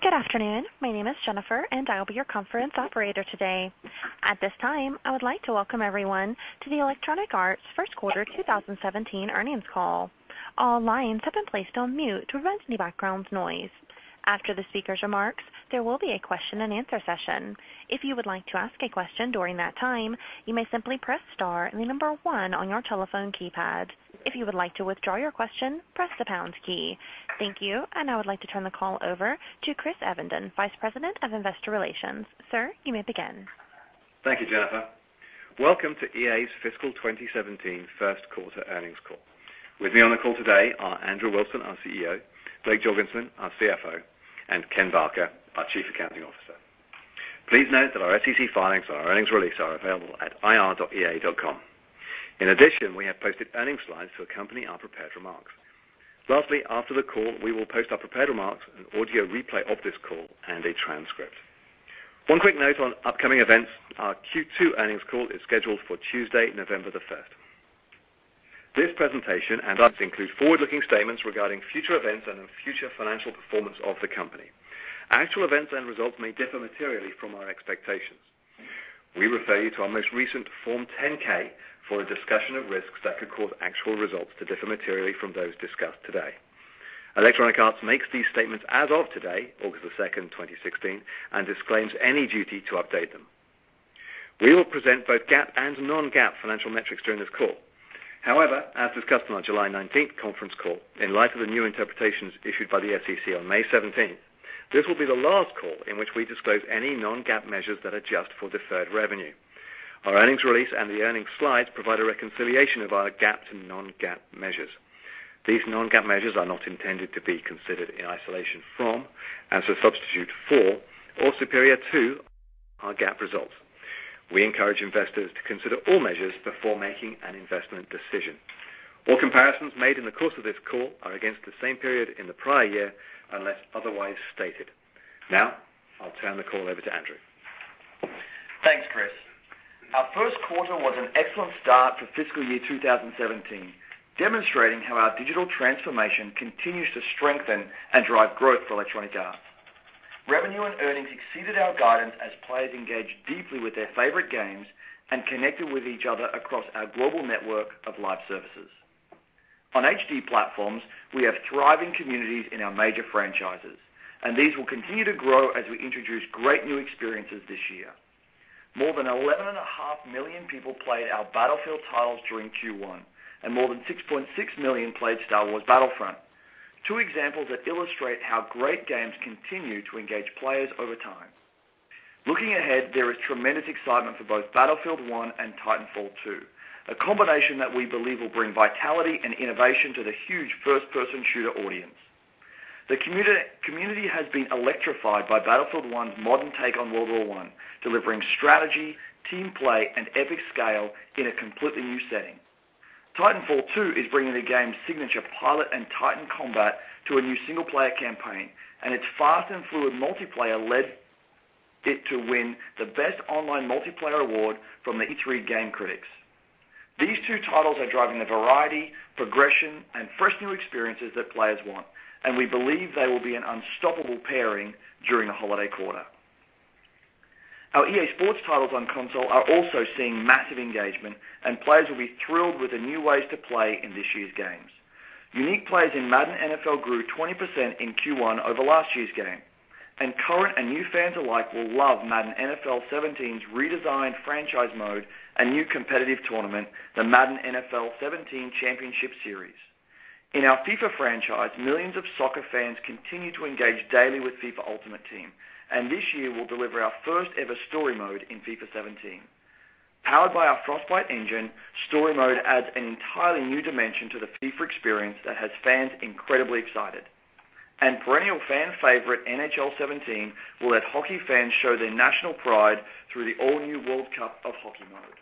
Good afternoon. My name is Jennifer, and I will be your conference operator today. At this time, I would like to welcome everyone to the Electronic Arts first quarter 2017 earnings call. All lines have been placed on mute to prevent any background noise. After the speaker's remarks, there will be a question and answer session. If you would like to ask a question during that time, you may simply press star and the number one on your telephone keypad. If you would like to withdraw your question, press the pound key. Thank you, and I would like to turn the call over to Chris Evenden, Vice President of Investor Relations. Sir, you may begin. Thank you, Jennifer. Welcome to EA's fiscal 2017 first quarter earnings call. With me on the call today are Andrew Wilson, our CEO, Blake Jorgensen, our CFO, and Ken Barker, our Chief Accounting Officer. Please note that our SEC filings, our earnings release are available at ir.ea.com. In addition, we have posted earnings slides to accompany our prepared remarks. Lastly, after the call, we will post our prepared remarks, an audio replay of this call, and a transcript. One quick note on upcoming events. Our Q2 earnings call is scheduled for Tuesday, November the 5th. This presentation and others include forward-looking statements regarding future events and future financial performance of the company. Actual events and results may differ materially from our expectations. We refer you to our most recent Form 10-K for a discussion of risks that could cause actual results to differ materially from those discussed today. Electronic Arts makes these statements as of today, August the 2nd, 2016, and disclaims any duty to update them. We will present both GAAP and non-GAAP financial metrics during this call. However, as discussed on our July 19th conference call, in light of the new interpretations issued by the SEC on May 17th, this will be the last call in which we disclose any non-GAAP measures that adjust for deferred revenue. Our earnings release and the earnings slides provide a reconciliation of our GAAP to non-GAAP measures. These non-GAAP measures are not intended to be considered in isolation from, as a substitute for, or superior to our GAAP results. We encourage investors to consider all measures before making an investment decision. All comparisons made in the course of this call are against the same period in the prior year, unless otherwise stated. Now, I'll turn the call over to Andrew. Thanks, Chris. Our first quarter was an excellent start for fiscal year 2017, demonstrating how our digital transformation continues to strengthen and drive growth for Electronic Arts. Revenue and earnings exceeded our guidance as players engaged deeply with their favorite games and connected with each other across our global network of live services. On HD platforms, we have thriving communities in our major franchises, and these will continue to grow as we introduce great new experiences this year. More than 11.5 million people played our Battlefield titles during Q1, and more than 6.6 million played Star Wars Battlefront. Two examples that illustrate how great games continue to engage players over time. Looking ahead, there is tremendous excitement for both Battlefield 1 and Titanfall 2, a combination that we believe will bring vitality and innovation to the huge first-person shooter audience. The community has been electrified by Battlefield 1's modern take on World War I, delivering strategy, team play, and epic scale in a completely new setting. Titanfall 2 is bringing the game's signature pilot and Titan combat to a new single-player campaign, and its fast and fluid multiplayer led it to win the Best Online Multiplayer award from the E3 game critics. These two titles are driving the variety, progression, and fresh new experiences that players want, and we believe they will be an unstoppable pairing during the holiday quarter. Our EA Sports titles on console are also seeing massive engagement, and players will be thrilled with the new ways to play in this year's games. Unique players in Madden NFL grew 20% in Q1 over last year's game. Current and new fans alike will love Madden NFL 17's redesigned franchise mode and new competitive tournament, the Madden NFL 17 Championship Series. In our FIFA franchise, millions of soccer fans continue to engage daily with FIFA Ultimate Team, and this year we'll deliver our first ever story mode in FIFA 17. Powered by our Frostbite engine, story mode adds an entirely new dimension to the FIFA experience that has fans incredibly excited. Perennial fan favorite NHL 17 will let hockey fans show their national pride through the all-new World Cup of Hockey mode.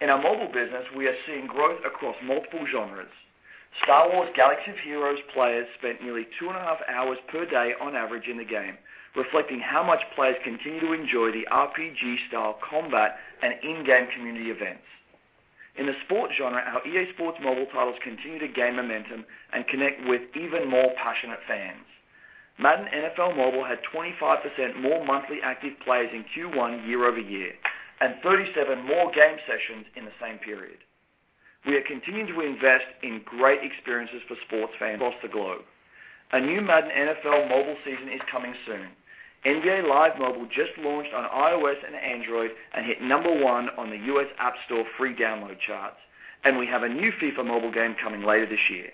In our mobile business, we are seeing growth across multiple genres. Star Wars: Galaxy of Heroes players spent nearly two and a half hours per day on average in the game, reflecting how much players continue to enjoy the RPG-style combat and in-game community events. In the sports genre, our EA Sports mobile titles continue to gain momentum and connect with even more passionate fans. Madden NFL Mobile had 25% more monthly active players in Q1 year-over-year, and 37% more game sessions in the same period. We are continuing to invest in great experiences for sports fans across the globe. A new Madden NFL Mobile season is coming soon. NBA LIVE Mobile just launched on iOS and Android and hit number one on the U.S. App Store free download charts. We have a new FIFA mobile game coming later this year.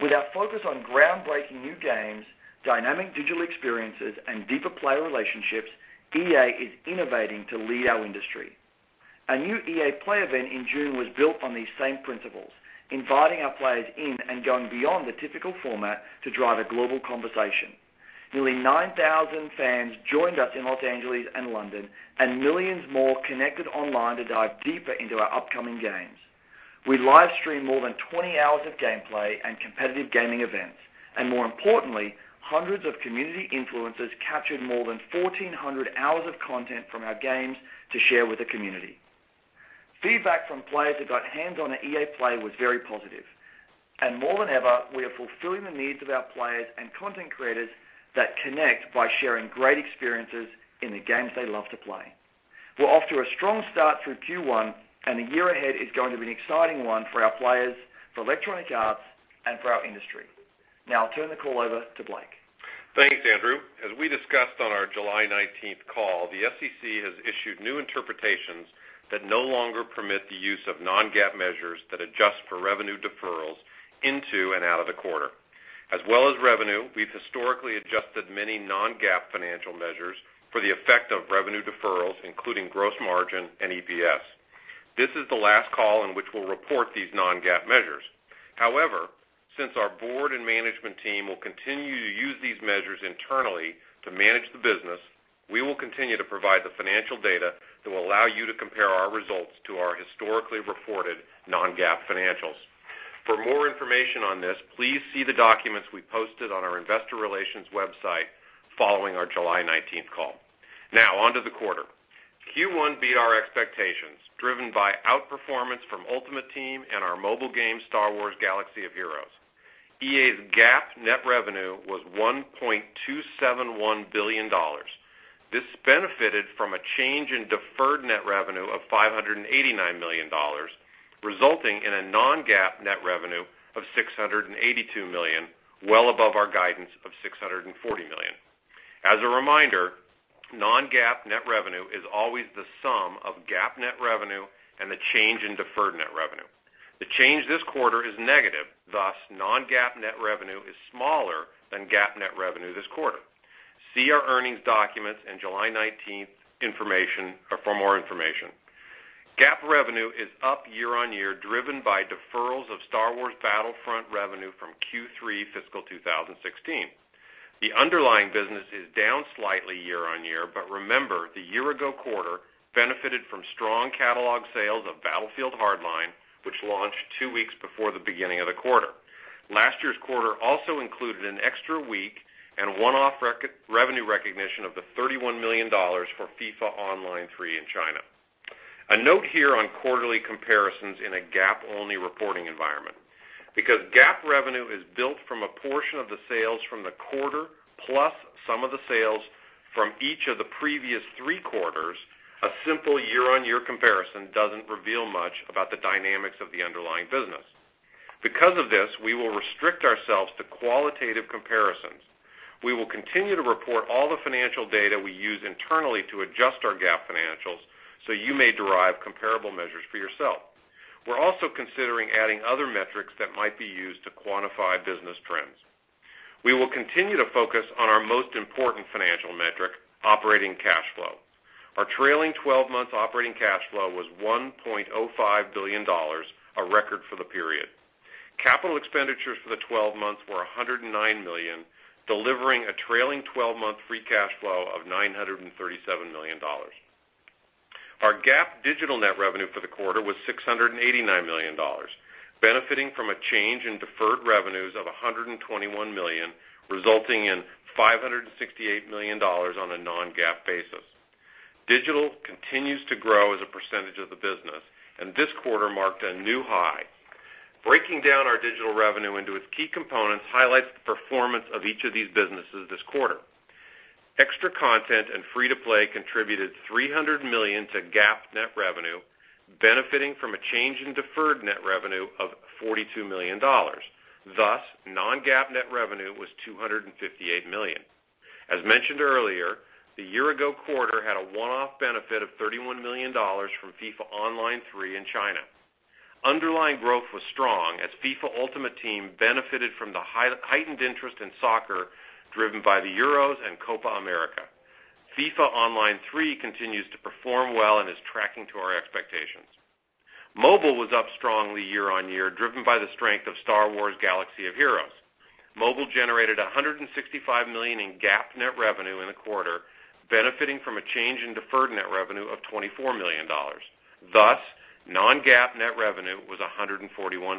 With our focus on groundbreaking new games, dynamic digital experiences, and deeper player relationships, EA is innovating to lead our industry. Our new EA Play event in June was built on these same principles, inviting our players in and going beyond the typical format to drive a global conversation. Nearly 9,000 fans joined us in L.A. and London, and millions more connected online to dive deeper into our upcoming games. We live-streamed more than 20 hours of gameplay and competitive gaming events, and more importantly, hundreds of community influencers captured more than 1,400 hours of content from our games to share with the community. Feedback from players who got hands-on at EA Play was very positive. More than ever, we are fulfilling the needs of our players and content creators that connect by sharing great experiences in the games they love to play. We're off to a strong start through Q1, and the year ahead is going to be an exciting one for our players, for Electronic Arts, and for our industry. I'll turn the call over to Blake. Thanks, Andrew. As we discussed on our July 19th call, the SEC has issued new interpretations that no longer permit the use of non-GAAP measures that adjust for revenue deferrals into and out of the quarter. As well as revenue, we've historically adjusted many non-GAAP financial measures for the effect of revenue deferrals, including gross margin and EPS. This is the last call in which we'll report these non-GAAP measures. However, since our board and management team will continue to use these measures internally to manage the business, we will continue to provide the financial data that will allow you to compare our results to our historically reported non-GAAP financials. For more information on this, please see the documents we posted on our investor relations website following our July 19th call. Onto the quarter. Q1 beat our expectations, driven by outperformance from Ultimate Team and our mobile game, Star Wars: Galaxy of Heroes. EA's GAAP net revenue was $1.271 billion. This benefited from a change in deferred net revenue of $589 million, resulting in a non-GAAP net revenue of $682 million, well above our guidance of $640 million. As a reminder, non-GAAP net revenue is always the sum of GAAP net revenue and the change in deferred net revenue. The change this quarter is negative, thus, non-GAAP net revenue is smaller than GAAP net revenue this quarter. See our earnings documents and July 19th information for more information. GAAP revenue is up year-on-year, driven by deferrals of Star Wars Battlefront revenue from Q3 fiscal 2016. The underlying business is down slightly year-on-year, but remember, the year-ago quarter benefited from strong catalog sales of Battlefield Hardline, which launched two weeks before the beginning of the quarter. Last year's quarter also included an extra week and one-off revenue recognition of the $31 million for FIFA Online 3 in China. A note here on quarterly comparisons in a GAAP-only reporting environment. Because GAAP revenue is built from a portion of the sales from the quarter, plus some of the sales from each of the previous three quarters, a simple year-on-year comparison doesn't reveal much about the dynamics of the underlying business. Because of this, we will restrict ourselves to qualitative comparisons. We will continue to report all the financial data we use internally to adjust our GAAP financials so you may derive comparable measures for yourself. We're also considering adding other metrics that might be used to quantify business trends. We will continue to focus on our most important financial metric, operating cash flow. Our trailing 12-month operating cash flow was $1.05 billion, a record for the period. Capital expenditures for the 12 months were $109 million, delivering a trailing 12-month free cash flow of $937 million. Our GAAP digital net revenue for the quarter was $689 million, benefiting from a change in deferred revenues of $121 million, resulting in $568 million on a non-GAAP basis. Digital continues to grow as a percentage of the business, and this quarter marked a new high. Breaking down our digital revenue into its key components highlights the performance of each of these businesses this quarter. Extra content and free-to-play contributed $300 million to GAAP net revenue, benefiting from a change in deferred net revenue of $42 million. Non-GAAP net revenue was $258 million. As mentioned earlier, the year-ago quarter had a one-off benefit of $31 million from FIFA Online 3 in China. Underlying growth was strong as FIFA Ultimate Team benefited from the heightened interest in soccer driven by the Euros and Copa América. FIFA Online 3 continues to perform well and is tracking to our expectations. Mobile was up strongly year-on-year, driven by the strength of Star Wars: Galaxy of Heroes. Mobile generated $165 million in GAAP net revenue in the quarter, benefiting from a change in deferred net revenue of $24 million. Non-GAAP net revenue was $141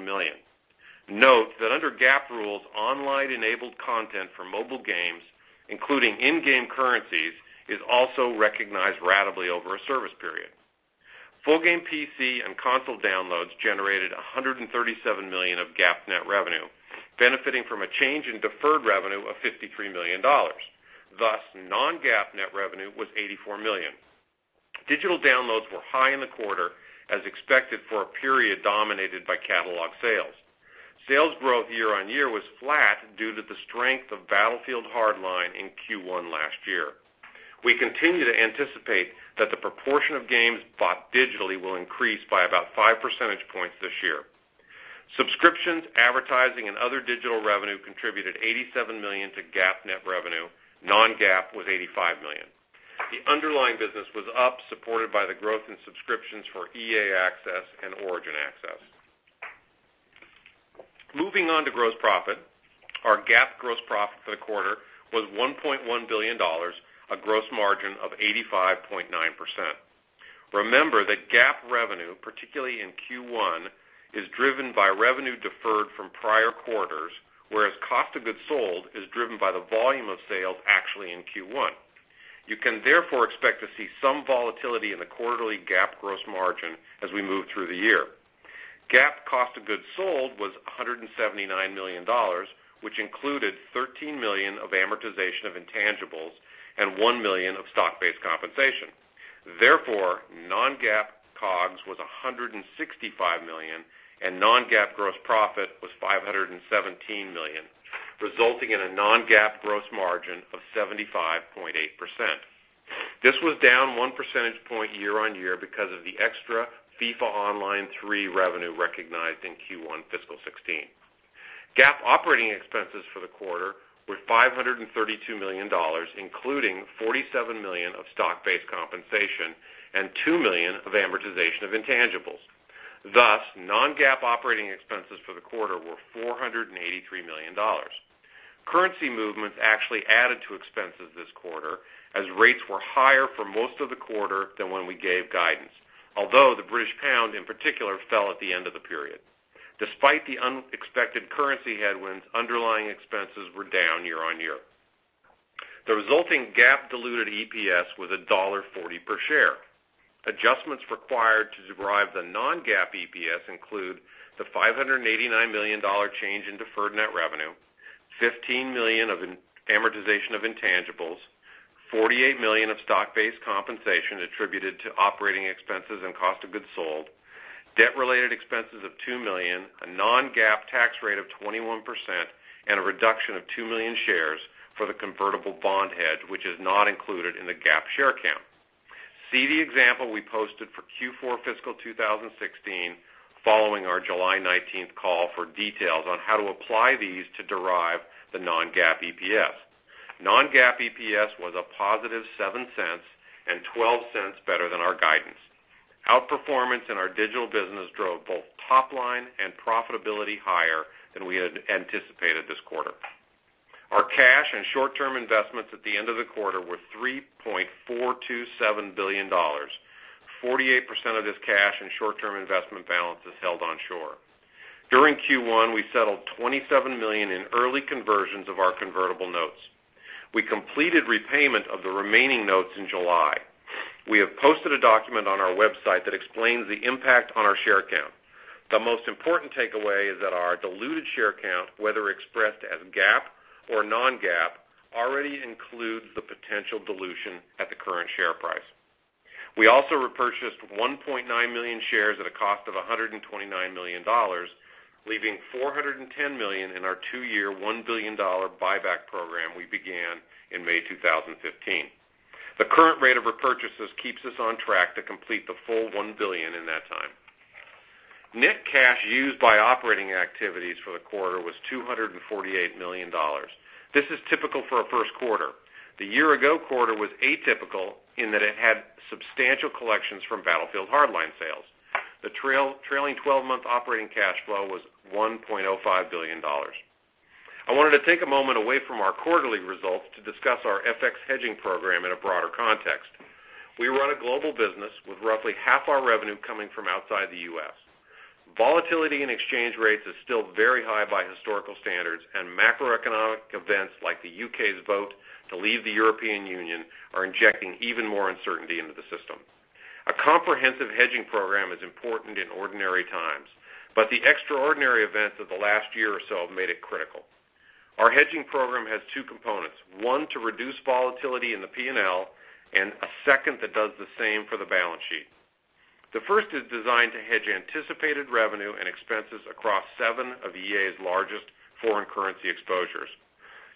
million. Note that under GAAP rules, online-enabled content for mobile games, including in-game currencies, is also recognized ratably over a service period. Full game PC and console downloads generated $137 million of GAAP net revenue, benefiting from a change in deferred revenue of $53 million. Non-GAAP net revenue was $84 million. Digital downloads were high in the quarter, as expected for a period dominated by catalog sales. Sales growth year-on-year was flat due to the strength of Battlefield Hardline in Q1 last year. We continue to anticipate that the proportion of games bought digitally will increase by about five percentage points this year. Subscriptions, advertising, and other digital revenue contributed $87 million to GAAP net revenue. Non-GAAP was $85 million. The underlying business was up, supported by the growth in subscriptions for EA Access and Origin Access. Moving on to gross profit. Our GAAP gross profit for the quarter was $1.1 billion, a gross margin of 85.9%. Remember that GAAP revenue, particularly in Q1, is driven by revenue deferred from prior quarters, whereas cost of goods sold is driven by the volume of sales actually in Q1. You can therefore expect to see some volatility in the quarterly GAAP gross margin as we move through the year. GAAP cost of goods sold was $179 million, which included $13 million of amortization of intangibles and $1 million of stock-based compensation. Non-GAAP COGS was $165 million, and non-GAAP gross profit was $517 million, resulting in a non-GAAP gross margin of 75.8%. This was down one percentage point year-on-year because of the extra FIFA Online 3 revenue recognized in Q1 fiscal 2016. GAAP operating expenses for the quarter were $532 million, including $47 million of stock-based compensation and $2 million of amortization of intangibles. Non-GAAP operating expenses for the quarter were $483 million. Currency movements actually added to expenses this quarter as rates were higher for most of the quarter than when we gave guidance. Although the British pound, in particular, fell at the end of the period. Despite the unexpected currency headwinds, underlying expenses were down year-over-year. The resulting GAAP diluted EPS was $1.40 per share. Adjustments required to derive the non-GAAP EPS include the $589 million change in deferred net revenue, $15 million of amortization of intangibles, $48 million of stock-based compensation attributed to operating expenses and cost of goods sold, debt-related expenses of $2 million, a non-GAAP tax rate of 21%, and a reduction of 2 million shares for the convertible bond hedge, which is not included in the GAAP share count. See the example we posted for Q4 fiscal 2016 following our July 19th call for details on how to apply these to derive the non-GAAP EPS. Non-GAAP EPS was a positive $0.07 and $0.12 better than our guidance. Outperformance in our digital business drove both top-line and profitability higher than we had anticipated this quarter. Our cash and short-term investments at the end of the quarter were $3.427 billion. 48% of this cash and short-term investment balance is held onshore. During Q1, we settled $27 million in early conversions of our convertible notes. We completed repayment of the remaining notes in July. We have posted a document on our website that explains the impact on our share count. The most important takeaway is that our diluted share count, whether expressed as GAAP or non-GAAP, already includes the potential dilution at the current share price. We also repurchased 1.9 million shares at a cost of $129 million, leaving $410 million in our two-year, $1 billion buyback program we began in May 2015. The current rate of repurchases keeps us on track to complete the full $1 billion in that time. Net cash used by operating activities for the quarter was $248 million. This is typical for a first quarter. The year-ago quarter was atypical in that it had substantial collections from Battlefield Hardline sales. The trailing 12-month operating cash flow was $1.05 billion. I wanted to take a moment away from our quarterly results to discuss our FX hedging program in a broader context. We run a global business with roughly half our revenue coming from outside the U.S. Volatility in exchange rates is still very high by historical standards, and macroeconomic events like the U.K.'s vote to leave the European Union are injecting even more uncertainty into the system. A comprehensive hedging program is important in ordinary times, but the extraordinary events of the last year or so have made it critical. Our hedging program has two components: one to reduce volatility in the P&L and a second that does the same for the balance sheet. The first is designed to hedge anticipated revenue and expenses across seven of EA's largest foreign currency exposures.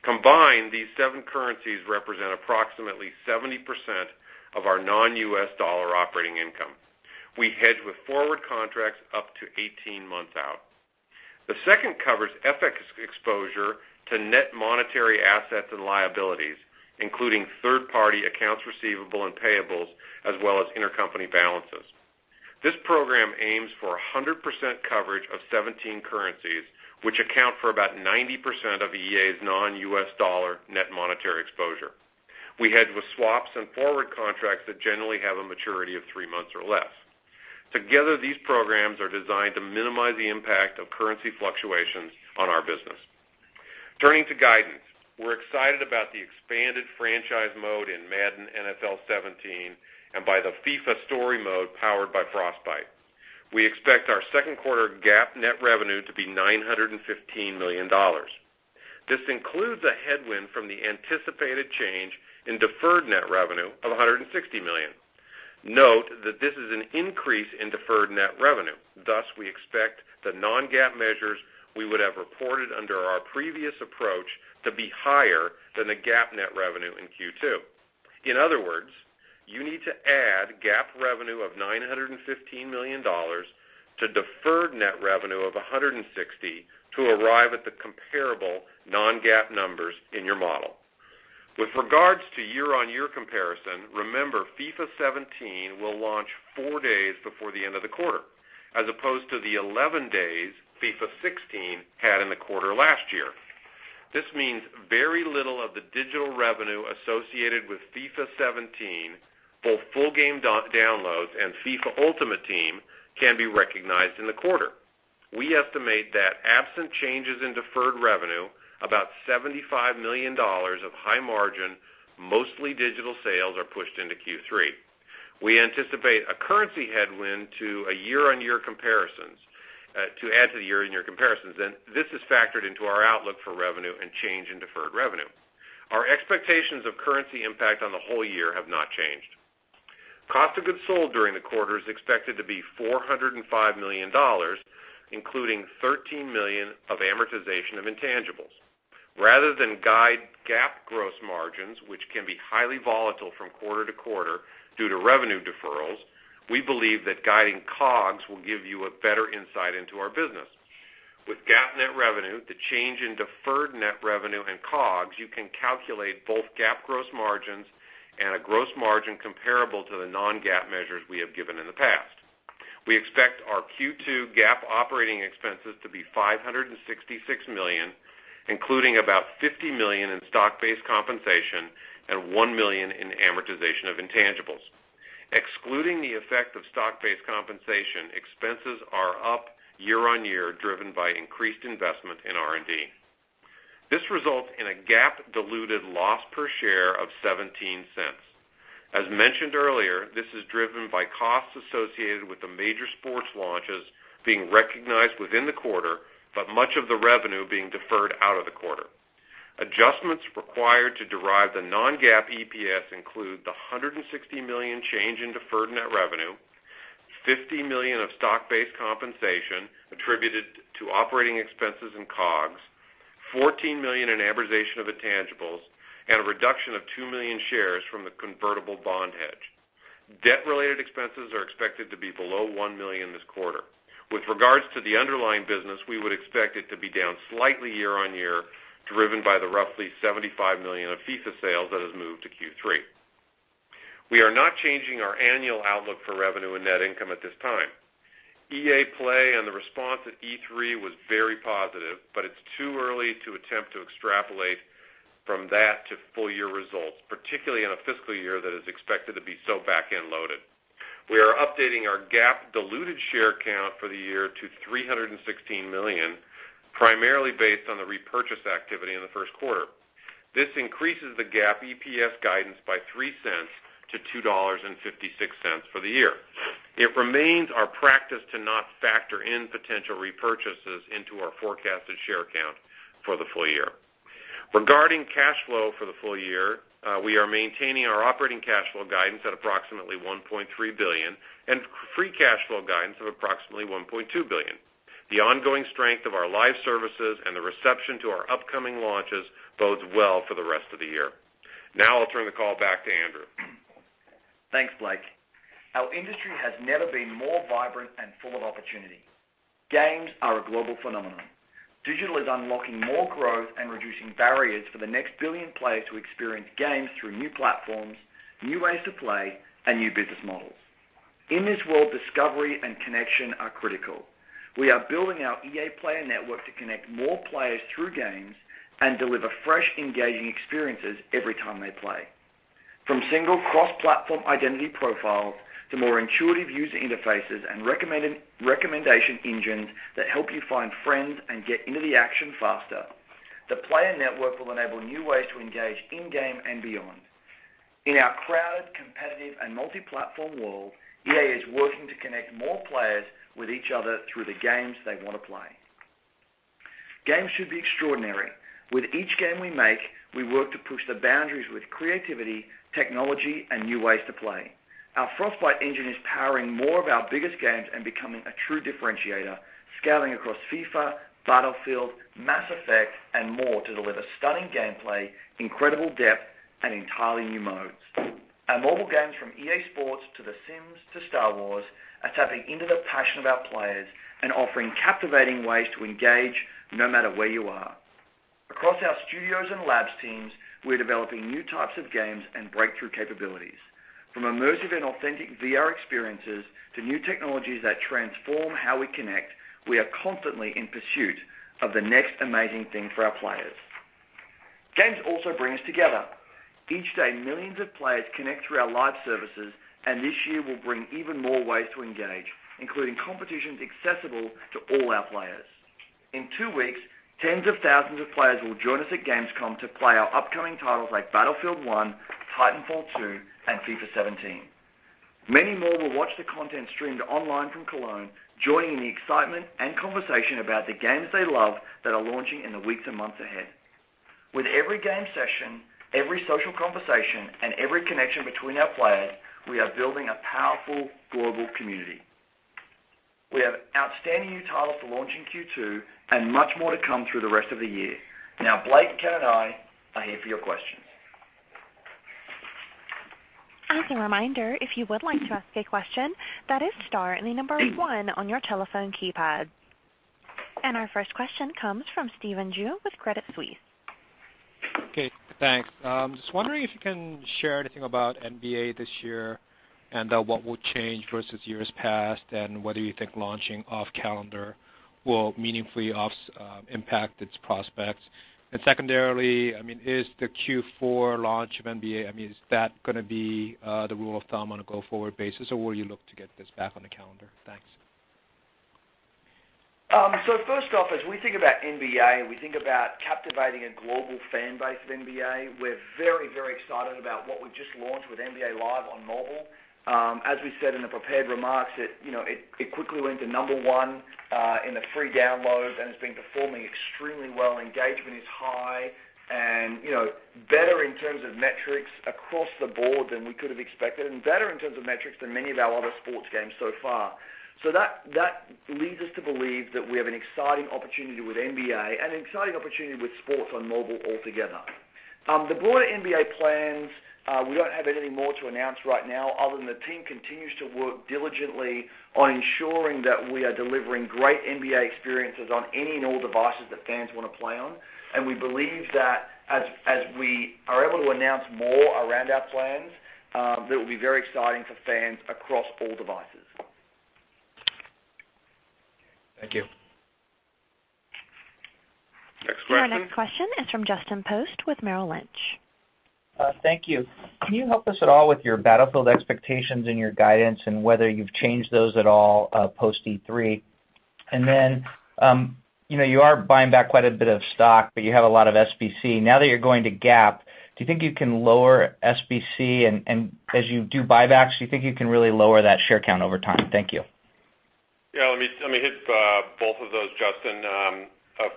Combined, these seven currencies represent approximately 70% of our non-U.S. dollar operating income. We hedge with forward contracts up to 18 months out. The second covers FX exposure to net monetary assets and liabilities, including third-party accounts receivable and payables, as well as intercompany balances. This program aims for 100% coverage of 17 currencies, which account for about 90% of EA's non-U.S. dollar net monetary exposure. We hedge with swaps and forward contracts that generally have a maturity of three months or less. Together, these programs are designed to minimize the impact of currency fluctuations on our business. Turning to guidance. We're excited about the expanded franchise mode in Madden NFL 17 and by the FIFA story mode powered by Frostbite. We expect our second quarter GAAP net revenue to be $915 million. This includes a headwind from the anticipated change in deferred net revenue of $160 million. Note that this is an increase in deferred net revenue. Thus, we expect the non-GAAP measures we would have reported under our previous approach to be higher than the GAAP net revenue in Q2. In other words, you need to add GAAP revenue of $915 million to deferred net revenue of $160 to arrive at the comparable non-GAAP numbers in your model. With regards to year-on-year comparison, remember FIFA 17 will launch four days before the end of the quarter, as opposed to the 11 days FIFA 16 had in the quarter last year. This means very little of the digital revenue associated with FIFA 17, both full game downloads and FIFA Ultimate Team, can be recognized in the quarter. We estimate that absent changes in deferred revenue, about $75 million of high margin, mostly digital sales are pushed into Q3. We anticipate a currency headwind to add to the year-on-year comparisons, this is factored into our outlook for revenue and change in deferred revenue. Our expectations of currency impact on the whole year have not changed. Cost of goods sold during the quarter is expected to be $405 million, including $13 million of amortization of intangibles. Rather than guide GAAP gross margins, which can be highly volatile from quarter-to-quarter due to revenue deferrals, we believe that guiding COGS will give you a better insight into our business. With GAAP net revenue, the change in deferred net revenue and COGS, you can calculate both GAAP gross margins and a gross margin comparable to the non-GAAP measures we have given in the past. We expect our Q2 GAAP operating expenses to be $566 million, including about $50 million in stock-based compensation and $1 million in amortization of intangibles. Excluding the effect of stock-based compensation, expenses are up year-on-year driven by increased investment in R&D. This results in a GAAP diluted loss per share of $0.17. As mentioned earlier, this is driven by costs associated with the major sports launches being recognized within the quarter, but much of the revenue being deferred out of the quarter. Adjustments required to derive the non-GAAP EPS include the $160 million change in deferred net revenue, $50 million of stock-based compensation attributed to operating expenses and COGS, $14 million in amortization of intangibles, and a reduction of 2 million shares from the convertible bond hedge. Debt-related expenses are expected to be below $1 million this quarter. With regards to the underlying business, we would expect it to be down slightly year-on-year driven by the roughly $75 million of FIFA sales that has moved to Q3. We are not changing our annual outlook for revenue and net income at this time. EA Play and the response at E3 was very positive, but it's too early to attempt to extrapolate from that to full-year results, particularly in a fiscal year that is expected to be so back-end loaded. We are updating our GAAP diluted share count for the year to 316 million, primarily based on the repurchase activity in the first quarter. This increases the GAAP EPS guidance by $0.03 to $2.56 for the year. It remains our practice to not factor in potential repurchases into our forecasted share count for the full year. Regarding cash flow for the full year, we are maintaining our operating cash flow guidance at approximately $1.3 billion and free cash flow guidance of approximately $1.2 billion. The ongoing strength of our live services and the reception to our upcoming launches bodes well for the rest of the year. Now I'll turn the call back to Andrew. Thanks, Blake. Our industry has never been more vibrant and full of opportunity. Games are a global phenomenon. Digital is unlocking more growth and reducing barriers for the next billion players who experience games through new platforms, new ways to play, and new business models. In this world, discovery and connection are critical. We are building our EA Player Network to connect more players through games and deliver fresh, engaging experiences every time they play. From single cross-platform identity profiles to more intuitive user interfaces and recommendation engines that help you find friends and get into the action faster, the Player Network will enable new ways to engage in-game and beyond. In our crowded, competitive, and multi-platform world, EA is working to connect more players with each other through the games they want to play. Games should be extraordinary. With each game we make, we work to push the boundaries with creativity, technology, and new ways to play. Our Frostbite engine is powering more of our biggest games and becoming a true differentiator, scaling across FIFA, Battlefield, Mass Effect, and more to deliver stunning gameplay, incredible depth, and entirely new modes. Our mobile games from EA Sports to The Sims to Star Wars are tapping into the passion of our players and offering captivating ways to engage no matter where you are. Across our studios and labs teams, we're developing new types of games and breakthrough capabilities. From immersive and authentic VR experiences to new technologies that transform how we connect, we are constantly in pursuit of the next amazing thing for our players. Games also bring us together. Each day, millions of players connect through our live services, and this year will bring even more ways to engage, including competitions accessible to all our players. In two weeks, tens of thousands of players will join us at gamescom to play our upcoming titles like Battlefield 1, Titanfall 2, and FIFA 17. Many more will watch the content streamed online from Cologne, joining in the excitement and conversation about the games they love that are launching in the weeks and months ahead. With every game session, every social conversation, and every connection between our players, we are building a powerful global community. We have outstanding new titles for launch in Q2 and much more to come through the rest of the year. Now Blake and Ken and I are here for your questions. As a reminder, if you would like to ask a question, that is star and the number one on your telephone keypad. Our first question comes from Stephen Ju with Credit Suisse. Okay, thanks. I'm just wondering if you can share anything about NBA this year and what will change versus years past, and whether you think launching off calendar will meaningfully impact its prospects. Secondarily, is the Q4 launch of NBA, is that going to be the rule of thumb on a go-forward basis, or will you look to get this back on the calendar? Thanks. First off, as we think about NBA, we think about captivating a global fan base of NBA. We're very excited about what we've just launched with NBA LIVE on mobile. As we said in the prepared remarks, it quickly went to number 1 in the free downloads and has been performing extremely well. Engagement is high and better in terms of metrics across the board than we could've expected, and better in terms of metrics than many of our other sports games so far. That leads us to believe that we have an exciting opportunity with NBA and an exciting opportunity with sports on mobile altogether. The broader NBA plans, we don't have anything more to announce right now, other than the team continues to work diligently on ensuring that we are delivering great NBA experiences on any and all devices that fans want to play on. We believe that as we are able to announce more around our plans, that will be very exciting for fans across all devices. Thank you. Next question. Our next question is from Justin Post with Merrill Lynch. Thank you. Can you help us at all with your Battlefield expectations and your guidance, and whether you've changed those at all post E3? You are buying back quite a bit of stock, but you have a lot of SBC. Now that you're going to GAAP, do you think you can lower SBC? As you do buybacks, do you think you can really lower that share count over time? Thank you. Yeah. Let me hit both of those, Justin.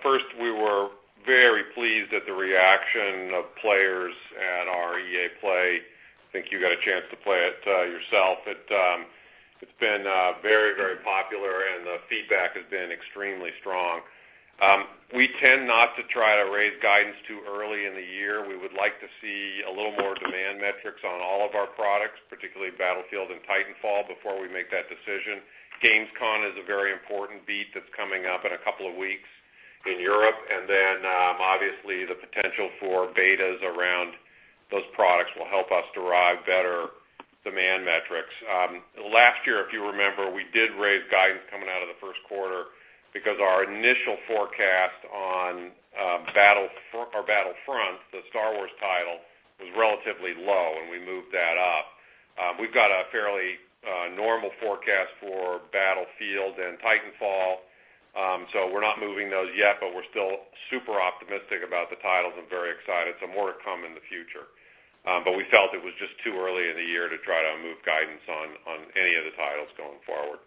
First, we were very pleased at the reaction of players at our EA Play. I think you got a chance to play it yourself. It's been very popular, and the feedback has been extremely strong. We tend not to try to raise guidance too early in the year. We would like to see a little more demand metrics on all of our products, particularly Battlefield and Titanfall, before we make that decision. gamescom is a very important beat that's coming up in a couple of weeks in Europe. Obviously, the potential for betas around those products will help us derive better demand metrics. Last year, if you remember, we did raise guidance coming out of the first quarter because our initial forecast on Battlefront, the Star Wars title, was relatively low, and we moved that up. We've got a fairly normal forecast for Battlefield and Titanfall. We're not moving those yet, but we're still super optimistic about the titles and very excited. More to come in the future. We felt it was just too early in the year to try to move guidance on any of the titles going forward.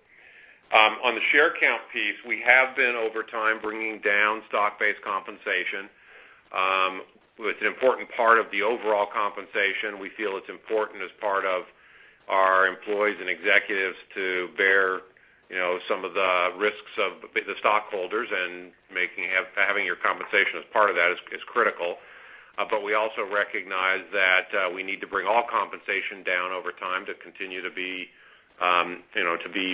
On the share count piece, we have been, over time, bringing down stock-based compensation. It's an important part of the overall compensation. We feel it's important as part of our employees and executives to bear some of the risks of the stockholders, and having your compensation as part of that is critical. We also recognize that we need to bring all compensation down over time to continue to be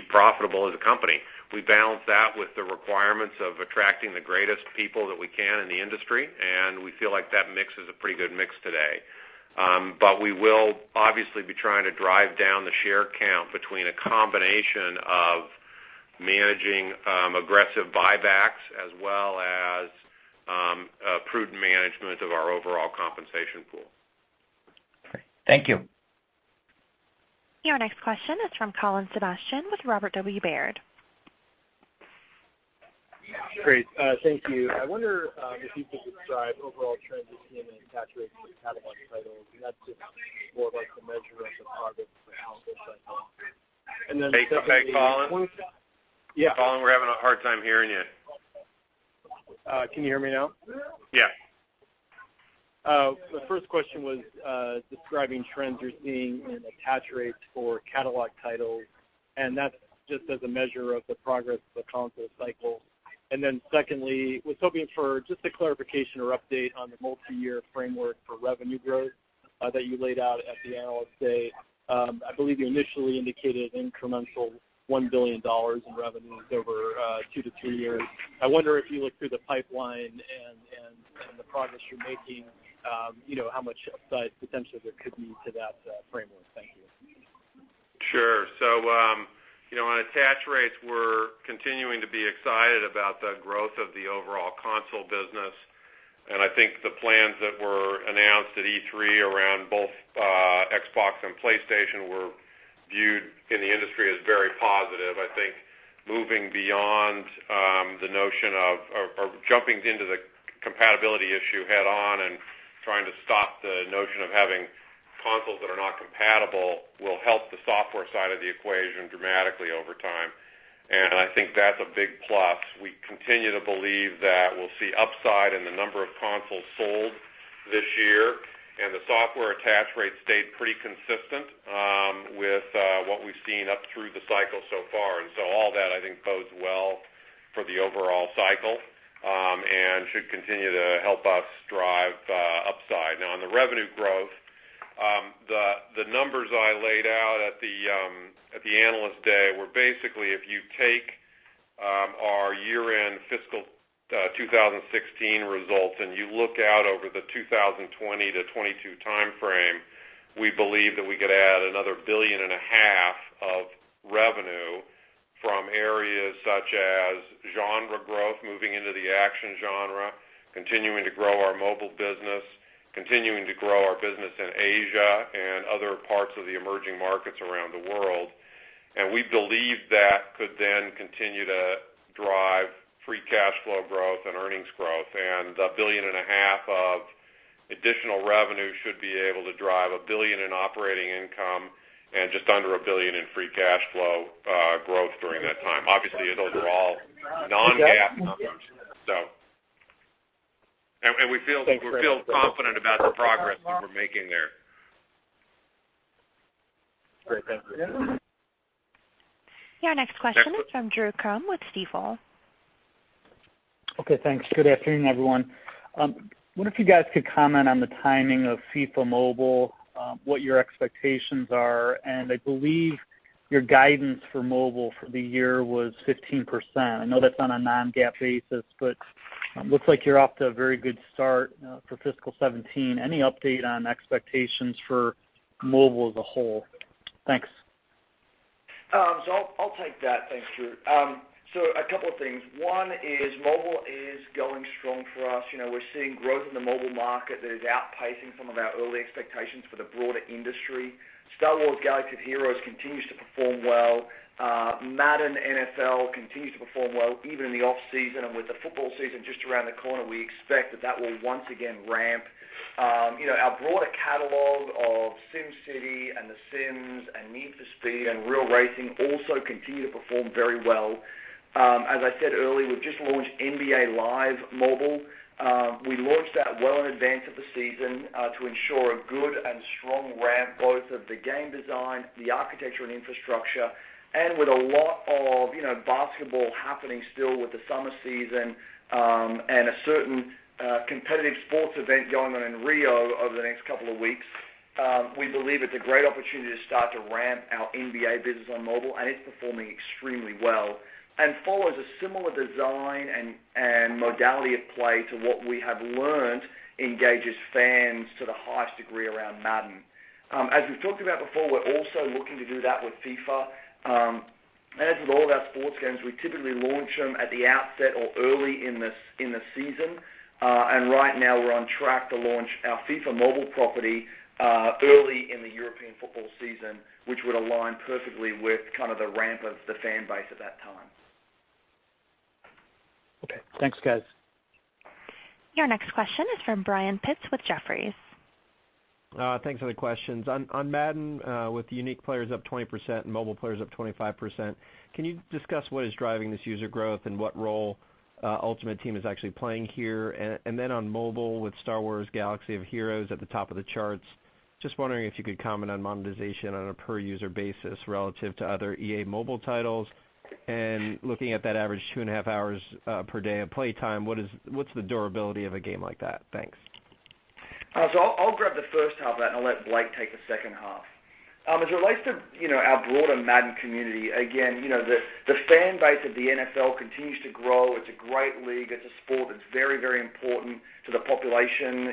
profitable as a company. We balance that with the requirements of attracting the greatest people that we can in the industry, and we feel like that mix is a pretty good mix today. We will obviously be trying to drive down the share count between a combination of managing aggressive buybacks as well as a prudent management of our overall compensation pool. Great. Thank you. Your next question is from Colin Sebastian with Robert W. Baird. Great. Thank you. I wonder if you could describe overall trends you're seeing in attach rates for catalog titles, and that's just more of like the measure of the progress of the console cycle. secondly- Back again, Colin. Yeah. Colin, we're having a hard time hearing you. Can you hear me now? Yeah. The first question was describing trends you're seeing in attach rates for catalog titles, that's just as a measure of the progress of the console cycle. Secondly, was hoping for just a clarification or update on the multi-year framework for revenue growth that you laid out at the Analyst Day. I believe you initially indicated incremental $1 billion in revenues over 2 to 3 years. I wonder if you look through the pipeline and the progress you're making, how much upside potential there could be to that framework. Thank you. Sure. On attach rates, we're continuing to be excited about the growth of the overall console business, I think the plans that were announced at E3 around both Xbox and PlayStation were viewed in the industry as very positive. I think moving beyond the notion of, or jumping into the compatibility issue head-on and trying to stop the notion of having consoles that are not compatible will help the software side of the equation dramatically over time. I think that's a big plus. We continue to believe that we'll see upside in the number of consoles sold this year, the software attach rate stayed pretty consistent with what we've seen up through the cycle so far. All that, I think, bodes well for the overall cycle, and should continue to help us drive upside. On the revenue growth, the numbers I laid out at the Analyst Day were basically, if you take our year-end fiscal 2016 results and you look out over the 2020 to 2022 timeframe, we believe that we could add another billion and a half of revenue from areas such as genre growth, moving into the action genre, continuing to grow our mobile business, continuing to grow our business in Asia and other parts of the emerging markets around the world. We believe that could then continue to drive free cash flow growth and earnings growth. A billion and a half of additional revenue should be able to drive $1 billion in operating income and just under $1 billion in free cash flow growth during that time. Obviously, those are all non-GAAP numbers. We feel confident about the progress that we're making there. Great. Thanks. Your next question is from Drew Crum with Stifel. Thanks. Good afternoon, everyone. Wonder if you guys could comment on the timing of FIFA Mobile, what your expectations are, and I believe your guidance for mobile for the year was 15%. I know that's on a non-GAAP basis, but looks like you're off to a very good start for fiscal 2017. Any update on expectations for mobile as a whole? Thanks. I'll take that. Thanks, Drew. A couple of things. One is mobile is going strong for us. We're seeing growth in the mobile market that is outpacing some of our early expectations for the broader industry. Star Wars: Galaxy of Heroes continues to perform well. Madden NFL continues to perform well, even in the off-season. With the football season just around the corner, we expect that that will once again ramp. Our broader catalog of SimCity and The Sims and Need for Speed and Real Racing also continue to perform very well. As I said earlier, we've just launched NBA LIVE Mobile. We launched that well in advance of the season to ensure a good and strong ramp, both of the game design, the architecture, and infrastructure. With a lot of basketball happening still with the summer season, and a certain competitive sports event going on in Rio over the next couple of weeks, we believe it's a great opportunity to start to ramp our NBA business on mobile. It's performing extremely well and follows a similar design and modality of play to what we have learned engages fans to the highest degree around Madden. As we've talked about before, we're also looking to do that with FIFA. As with all of our sports games, we typically launch them at the outset or early in the season. Right now we're on track to launch our FIFA mobile property early in the European football season, which would align perfectly with kind of the ramp of the fan base at that time. Okay, thanks guys. Your next question is from Brian Pitz with Jefferies. Thanks for the questions. On Madden, with unique players up 20% and mobile players up 25%, can you discuss what is driving this user growth and what role Ultimate Team is actually playing here? On mobile with Star Wars: Galaxy of Heroes at the top of the charts, just wondering if you could comment on monetization on a per-user basis relative to other EA mobile titles. Looking at that average two and a half hours per day of play time, what's the durability of a game like that? Thanks. I'll grab the first half of that, and I'll let Blake take the second half. As it relates to our broader Madden community, again, the fan base of the NFL continues to grow. It's a great league. It's a sport that's very, very important to the population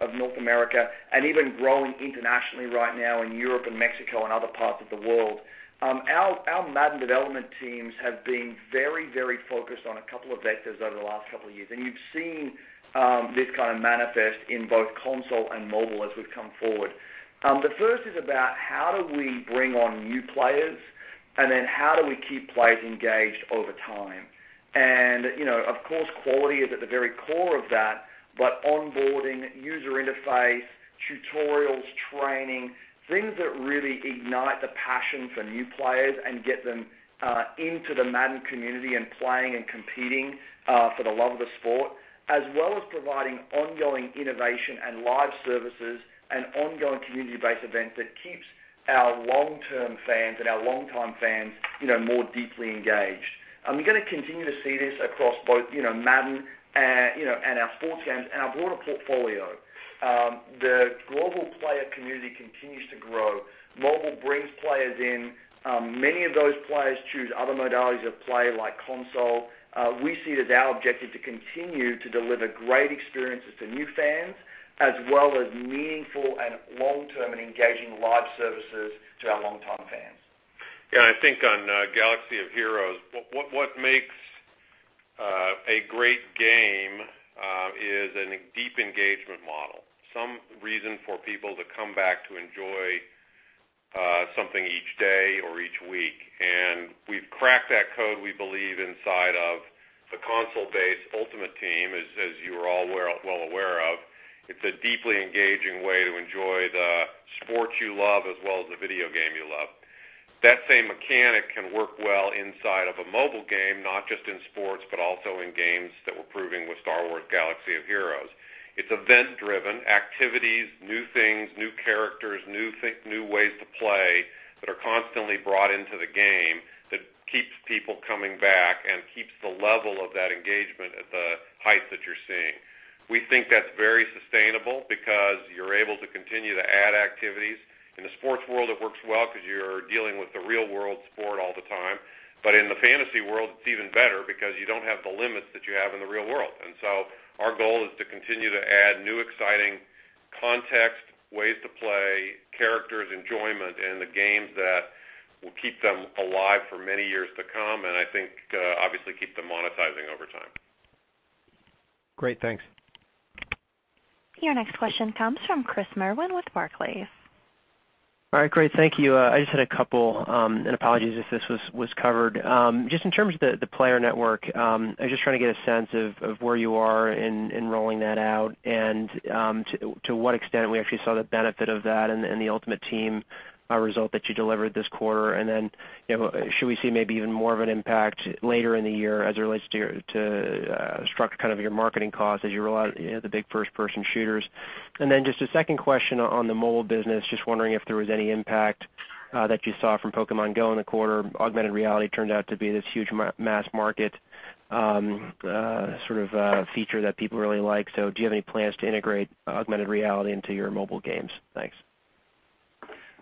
of North America and even growing internationally right now in Europe and Mexico and other parts of the world. Our Madden development teams have been very, very focused on a couple of vectors over the last couple of years, and you've seen this kind of manifest in both console and mobile as we've come forward. The first is about how do we bring on new players, how do we keep players engaged over time? Of course, quality is at the very core of that, onboarding, user interface, tutorials, training, things that really ignite the passion for new players and get them into the Madden community and playing and competing for the love of the sport, as well as providing ongoing innovation and live services and ongoing community-based events that keeps our long-term fans and our longtime fans more deeply engaged. We're going to continue to see this across both Madden and our sports games and our broader portfolio. The global player community continues to grow. Mobile brings players in. Many of those players choose other modalities of play, like console. We see it as our objective to continue to deliver great experiences to new fans, as well as meaningful and long-term and engaging live services to our longtime fans. I think on Galaxy of Heroes, what makes a great game is a deep engagement model. Some reason for people to come back to enjoy something each day or each week. We've cracked that code, we believe, inside of the console base Ultimate Team, as you are all well aware of. It's a deeply engaging way to enjoy the sports you love as well as the video game you love. That same mechanic can work well inside of a mobile game, not just in sports, but also in games that we're proving with Star Wars: Galaxy of Heroes. It's event-driven, activities, new things, new characters, new ways to play that are constantly brought into the game that keeps people coming back and keeps the level of that engagement at the height that you're seeing. We think that's very sustainable because you're able to continue to add activities. In the sports world, it works well because you're dealing with the real-world sport all the time. In the fantasy world, it's even better because you don't have the limits that you have in the real world. Our goal is to continue to add new, exciting context, ways to play, characters, enjoyment in the games that will keep them alive for many years to come, and I think, obviously keep them monetizing over time. Great, thanks. Your next question comes from Chris Merwin with Barclays. All right, great, thank you. I just had a couple, apologies if this was covered. Just in terms of the player network, I was just trying to get a sense of where you are in rolling that out, and to what extent we actually saw the benefit of that in the Ultimate Team result that you delivered this quarter. Then, should we see maybe even more of an impact later in the year as it relates to structure your marketing costs as you roll out the big first-person shooters? Then just a second question on the mobile business, just wondering if there was any impact that you saw from Pokémon GO in the quarter. Augmented reality turned out to be this huge mass market feature that people really like. Do you have any plans to integrate augmented reality into your mobile games? Thanks.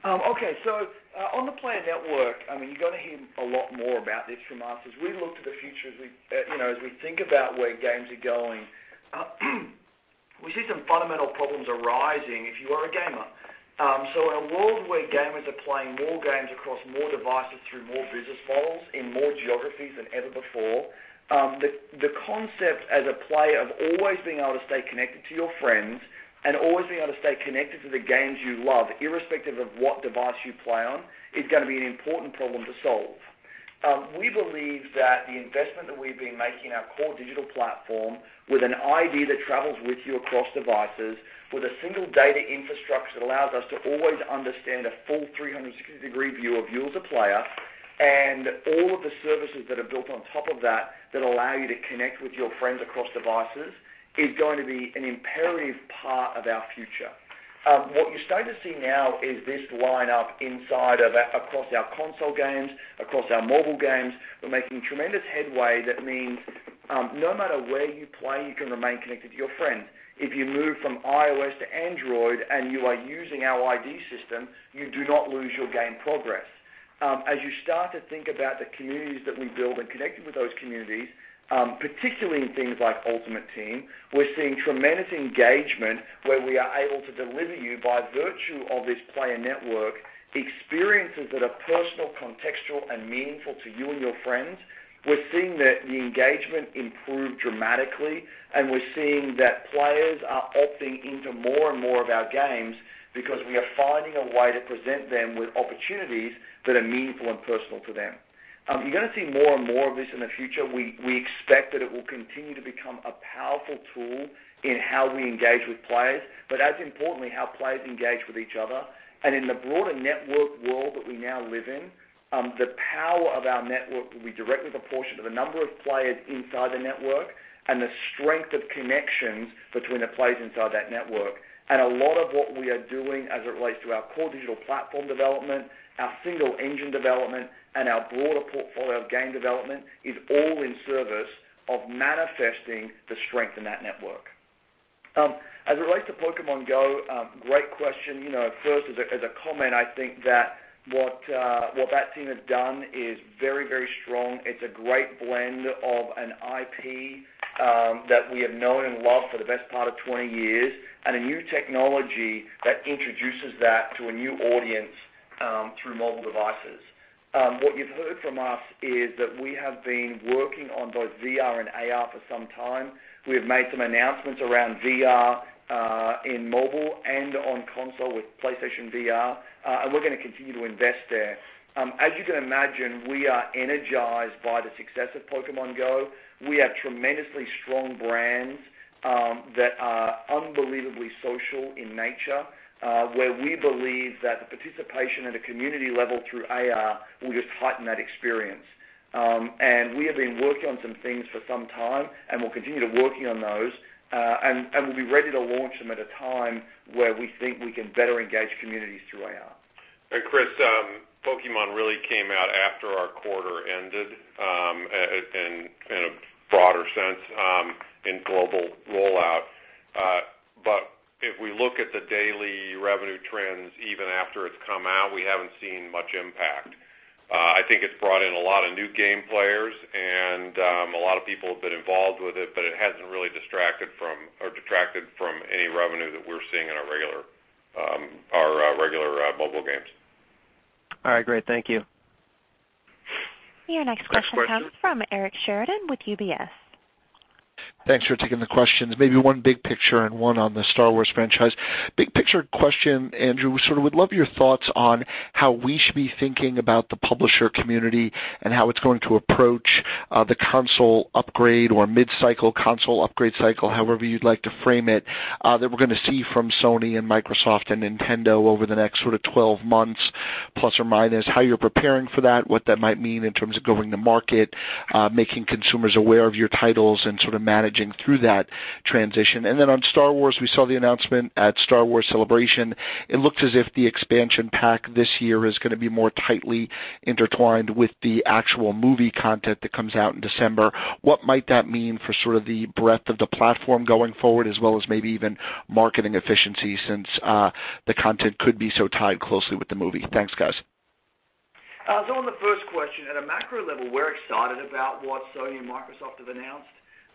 Okay. On the Player Network, you're going to hear a lot more about this from us as we look to the future, as we think about where games are going. We see some fundamental problems arising if you are a gamer. In a world where gamers are playing more games across more devices, through more business models, in more geographies than ever before, the concept as a player of always being able to stay connected to your friends and always being able to stay connected to the games you love, irrespective of what device you play on, is going to be an important problem to solve. We believe that the investment that we've been making in our core digital platform with an ID that travels with you across devices, with a single data infrastructure that allows us to always understand a full 360-degree view of you as a player, and all of the services that are built on top of that allow you to connect with your friends across devices, is going to be an imperative part of our future. What you're starting to see now is this line-up across our console games, across our mobile games. We're making tremendous headway that means no matter where you play, you can remain connected to your friends. If you move from iOS to Android and you are using our ID system, you do not lose your game progress. As you start to think about the communities that we build and connecting with those communities, particularly in things like Ultimate Team, we're seeing tremendous engagement where we are able to deliver you by virtue of this Player Network, experiences that are personal, contextual and meaningful to you and your friends. We're seeing that the engagement improved dramatically, we're seeing that players are opting into more and more of our games because we are finding a way to present them with opportunities that are meaningful and personal to them. You're going to see more and more of this in the future. We expect that it will continue to become a powerful tool in how we engage with players, but as importantly, how players engage with each other. In the broader network world that we now live in, the power of our network will be directly proportionate of the number of players inside the network and the strength of connections between the players inside that network. A lot of what we are doing as it relates to our core digital platform development, our single engine development, and our broader portfolio of game development is all in service of manifesting the strength in that network. As it relates to Pokémon GO, great question. First, as a comment, I think that what that team has done is very strong. It's a great blend of an IP that we have known and loved for the best part of 20 years, and a new technology that introduces that to a new audience through mobile devices. What you've heard from us is that we have been working on both VR and AR for some time. We have made some announcements around VR in mobile and on console with PlayStation VR, and we're going to continue to invest there. As you can imagine, we are energized by the success of Pokémon GO. We have tremendously strong brands that are unbelievably social in nature, where we believe that the participation at a community level through AR will just heighten that experience. We have been working on some things for some time, and we'll continue to working on those. We'll be ready to launch them at a time where we think we can better engage communities through AR. Chris, Pokémon really came out after our quarter ended in a broader sense in global rollout. If we look at the daily revenue trends, even after it's come out, we haven't seen much impact. I think it's brought in a lot of new game players and a lot of people have been involved with it, but it hasn't really distracted from or detracted from any revenue that we're seeing in our regular mobile games. All right, great. Thank you. Your next question comes from Eric Sheridan with UBS. Thanks for taking the questions. Maybe one big picture and one on the Star Wars franchise. Big picture question, Andrew, would love your thoughts on how we should be thinking about the publisher community and how it's going to approach the console upgrade or mid-cycle console upgrade cycle, however you'd like to frame it, that we're going to see from Sony and Microsoft and Nintendo over the next 12 months, plus or minus. How you're preparing for that, what that might mean in terms of going to market, making consumers aware of your titles and managing through that transition. On Star Wars, we saw the announcement at Star Wars Celebration. It looks as if the expansion pack this year is going to be more tightly intertwined with the actual movie content that comes out in December. What might that mean for the breadth of the platform going forward, as well as maybe even marketing efficiency since the content could be so tied closely with the movie? Thanks, guys. On the first question, at a macro level, we're excited about what Sony and Microsoft have announced.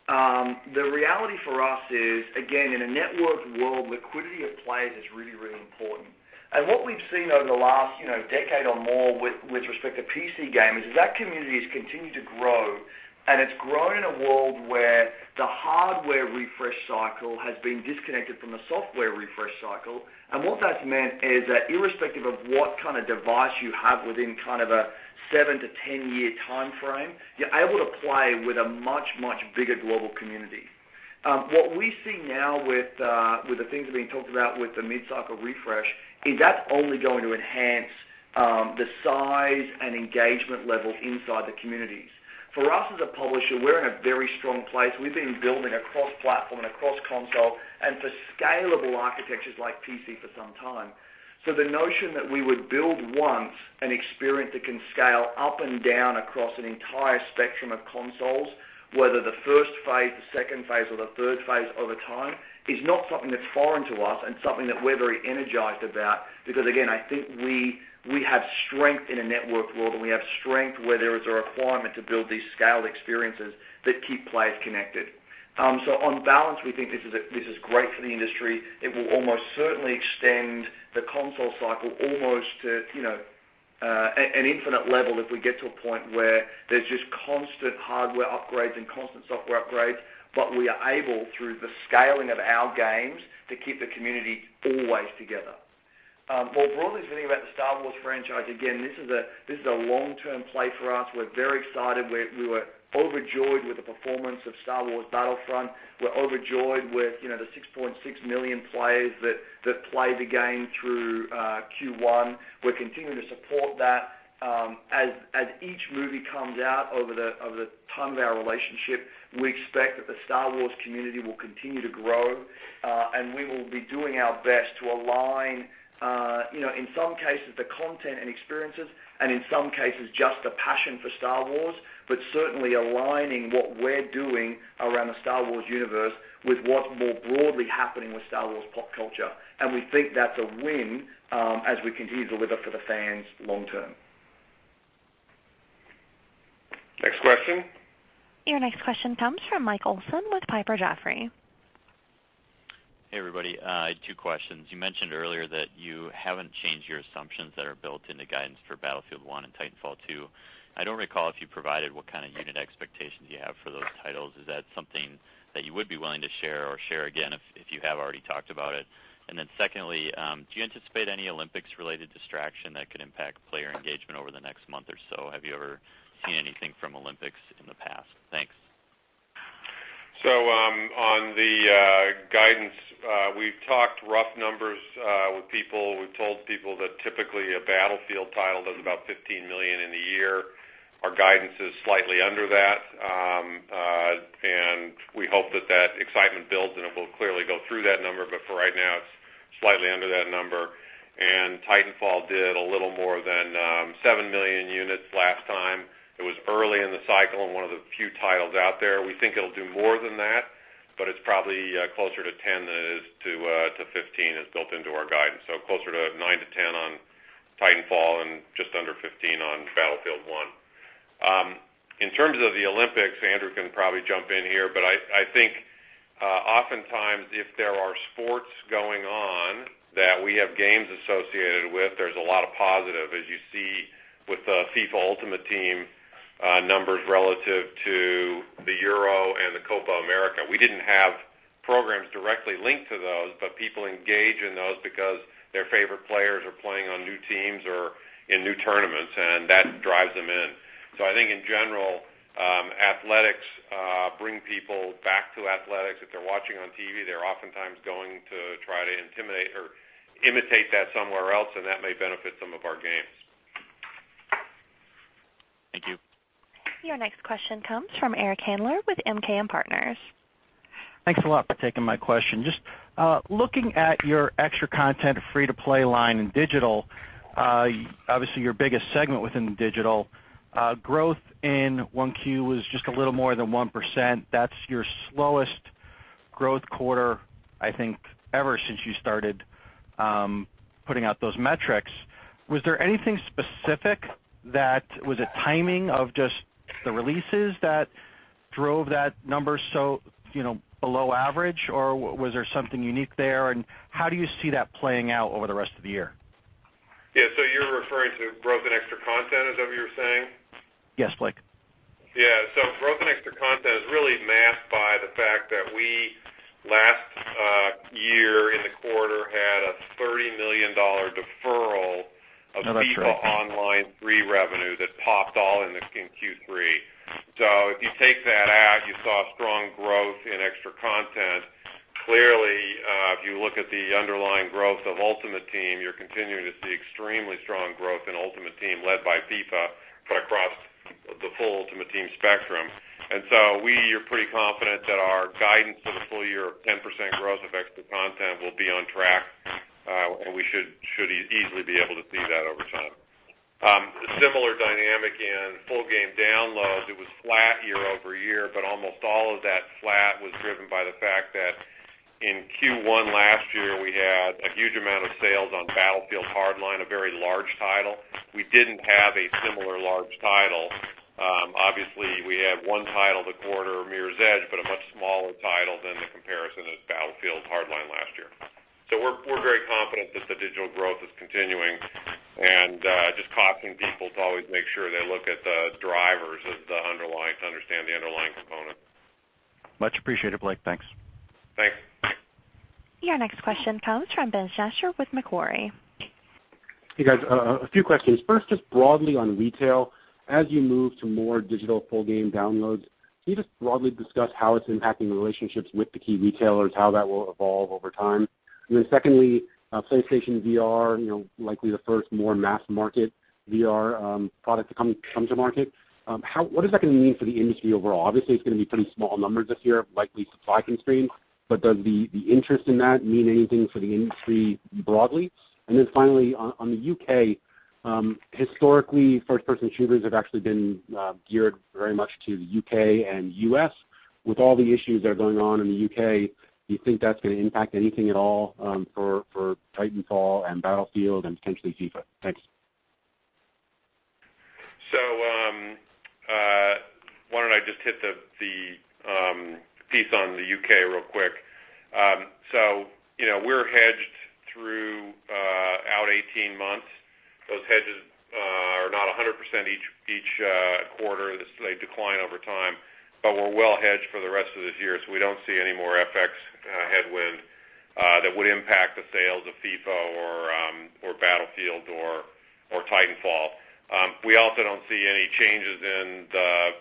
The reality for us is, again, in a networked world, liquidity of players is really important. What we've seen over the last decade or more with respect to PC gaming is that community has continued to grow, and it's grown in a world where the hardware refresh cycle has been disconnected from the software refresh cycle. What that's meant is that irrespective of what kind of device you have within kind of a seven to 10-year timeframe, you're able to play with a much, much bigger global community. What we see now with the things that are being talked about with the mid-cycle refresh is that's only going to enhance the size and engagement level inside the communities. For us as a publisher, we're in a very strong place. We've been building across platform and across console and for scalable architectures like PC for some time. The notion that we would build once an experience that can scale up and down across an entire spectrum of consoles, whether the first phase, the second phase, or the third phase over time, is not something that's foreign to us and something that we're very energized about. Again, I think we have strength in a networked world, and we have strength where there is a requirement to build these scaled experiences that keep players connected. On balance, we think this is great for the industry. It will almost certainly extend the console cycle almost to an infinite level if we get to a point where there's just constant hardware upgrades and constant software upgrades, but we are able, through the scaling of our games, to keep the community always together. More broadly speaking about the Star Wars franchise, again, this is a long-term play for us. We're very excited. We were overjoyed with the performance of Star Wars Battlefront. We're overjoyed with the 6.6 million players that played the game through Q1. We're continuing to support that. As each movie comes out over the ton of our relationship, we expect that the Star Wars community will continue to grow. We will be doing our best to align, in some cases, the content and experiences, and in some cases, just the passion for Star Wars, but certainly aligning what we're doing around the Star Wars universe with what's more broadly happening with Star Wars pop culture. We think that's a win as we continue to deliver for the fans long term. Next question. Your next question comes from Mike Olson with Piper Jaffray. Hey, everybody. I have two questions. You mentioned earlier that you haven't changed your assumptions that are built in the guidance for Battlefield 1 and Titanfall 2. I don't recall if you provided what kind of unit expectations you have for those titles. Is that something that you would be willing to share or share again if you have already talked about it? Secondly, do you anticipate any Olympics-related distraction that could impact player engagement over the next month or so? Have you ever seen anything from Olympics in the past? Thanks. On the guidance, we've talked rough numbers with people. We've told people that typically a Battlefield title does about 15 million in a year. Our guidance is slightly under that. We hope that that excitement builds, and it will clearly go through that number, but for right now, it's slightly under that number. Titanfall did a little more than 7 million units last time. It was early in the cycle and one of the few titles out there. We think it'll do more than that, but it's probably closer to 10 than it is to 15 as built into our guidance. Closer to 9 to 10 on Titanfall and just under 15 on Battlefield 1. In terms of the Olympics, Andrew can probably jump in here, but I think oftentimes if there are sports going on that we have games associated with, there's a lot of positive, as you see with the FIFA Ultimate Team numbers relative to the Euro and the Copa América. We didn't have programs directly linked to those, but people engage in those because their favorite players are playing on new teams or in new tournaments, and that drives them in. I think in general, athletics bring people back to athletics. If they're watching on TV, they're oftentimes going to try to imitate that somewhere else, and that may benefit some of our games. Thank you. Your next question comes from Eric Handler with MKM Partners. Thanks a lot for taking my question. Just looking at your extra content free-to-play line in digital, obviously your biggest segment within digital, growth in one Q was just a little more than 1%. That's your slowest growth quarter, I think, ever since you started putting out those metrics. Was there anything specific that was a timing of just the releases that drove that number so below average, or was there something unique there, and how do you see that playing out over the rest of the year? Yeah. You're referring to growth in extra content, is that what you're saying? Yes, Blake. Yeah. Growth in extra content is really masked by the fact that we, last year in the quarter, had a $30 million deferral of- No, that's right FIFA Online 3 revenue that popped all in Q3. If you take that out, you saw strong growth in extra content. Clearly, if you look at the underlying growth of Ultimate Team, you're continuing to see extremely strong growth in Ultimate Team led by FIFA, but across the full Ultimate Team spectrum. We are pretty confident that our guidance for the full year of 10% growth of extra content will be on track, and we should easily be able to see that over time. A similar dynamic in full game downloads. It was flat year-over-year, but almost all of that flat was driven by the fact that in Q1 last year, we had a huge amount of sales on Battlefield Hardline, a very large title. We didn't have a similar large title. Obviously, we have one title this quarter, Mirror's Edge, but a much smaller title than the comparison of Battlefield Hardline last year. We're very confident that the digital growth is continuing and just caution people to always make sure they look at the drivers of the underlying to understand the underlying component. Much appreciated, Blake. Thanks. Thanks. Your next question comes from Ben Schachter with Macquarie. Hey, guys. A few questions. First, just broadly on retail, as you move to more digital full game downloads, can you just broadly discuss how it's impacting the relationships with the key retailers, how that will evolve over time? Secondly, PlayStation VR, likely the first more mass-market VR product to come to market. What is that going to mean for the industry overall? Obviously, it's going to be pretty small numbers this year, likely supply constrained, but does the interest in that mean anything for the industry broadly? Finally, on the U.K., historically, first-person shooters have actually been geared very much to the U.K. and U.S. With all the issues that are going on in the U.K., do you think that's going to impact anything at all for Titanfall and Battlefield and potentially FIFA? Thanks. Why don't I just hit the piece on the U.K. real quick. We're hedged throughout 18 months. Those hedges are not 100% each quarter. They decline over time. We're well hedged for the rest of this year, so we don't see any more FX headwind that would impact the sales of FIFA or Battlefield or Titanfall. We also don't see any changes in the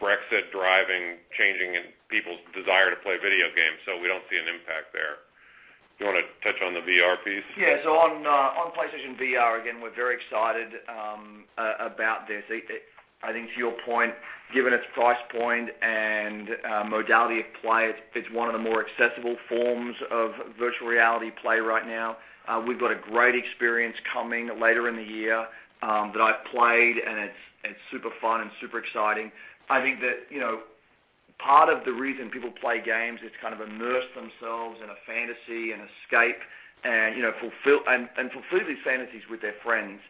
Brexit driving, changing in people's desire to play video games, so we don't see an impact there. You want to touch on the VR piece? Yeah. On PlayStation VR, again, we're very excited about this. I think to your point, given its price point and modality of play, it's one of the more accessible forms of virtual reality play right now. We've got a great experience coming later in the year that I've played, and it's super fun and super exciting. I think that part of the reason people play games is to kind of immerse themselves in a fantasy and escape, and fulfill these fantasies with their friends.